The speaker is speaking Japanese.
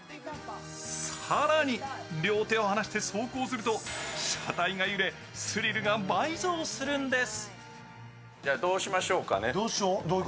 更に両手を離して走行すると、車体が揺れ、スリルが倍増するんです。